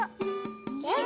よし！